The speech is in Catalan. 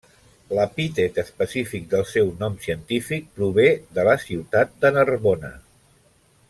L'epítet específic del seu nom científic prové de la ciutat de Narbona.